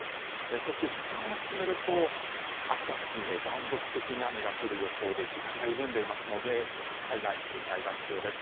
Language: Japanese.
そして、時間を進めると秋田付近で断続的に雨が降る予想で地盤が緩んでいますので土砂災害に警戒が必要です。